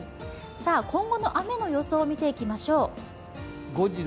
今後の雨の予想見ていきましょう。